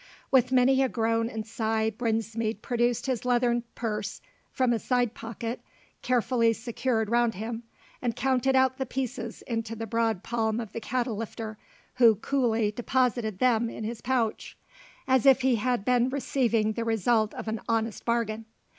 With many a groan and sigh Brinsmead produced his leathern purse from a side pocket carefully secured round him, and counted out the pieces into the broad palm of the cattle lifter, who coolly deposited them in his pouch, as if he had been receiving the result of an honest bargain.